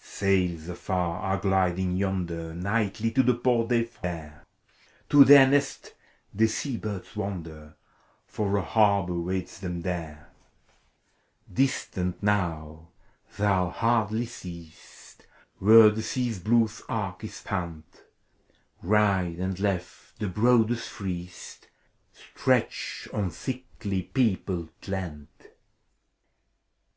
Sails afar are gliding yonder; A' ACT V. 225 Nightly to the port they fare : To their nest the sea birds wander, For a harbor waits them there. Distant now, thou hardly seest Where the Sea's blue arc is spanned, — Right and left, the broadest, freest Stretch of thickly peopled land. II.